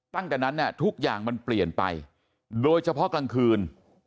ตั้งแต่นั้นเนี่ยทุกอย่างมันเปลี่ยนไปโดยเฉพาะกลางคืน